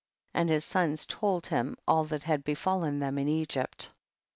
and his sons told him all that had befallen them in Egypt.